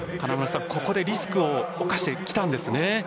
ここでリスクを冒してきたんですね。